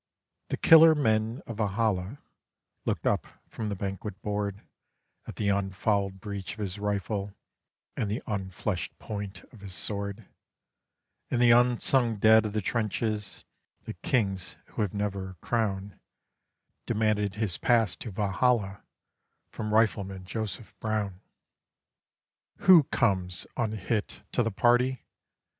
The Killer men of Valhalla looked up from the banquet board At the unfouled breech of his rifle, at the unfleshed point of his sword, And the unsung dead of the trenches, the kings who have never a crown, Demanded his pass to Valhalla from Rifleman Joseph Brown. "_Who comes, unhit, to the party?